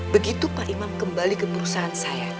begitu pak imam kembali ke perusahaan saya